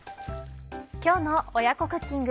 今日の親子クッキング。